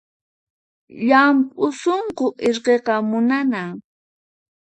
Llampu sunqu irqiqa munanan